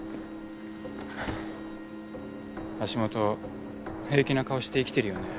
橋本平気な顔して生きてるよね。